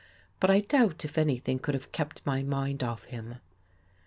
But I doubt if anything could have kept my mind off him.